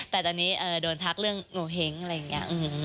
แต่ตอนนี้โดนทักเรื่องโงเห้งอะไรอย่างนี้